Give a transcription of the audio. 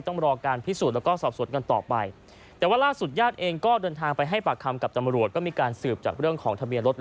เดินทางไปให้ปากคำกับจำรวจก็สืบจากเรื่องของธะเบียนรถ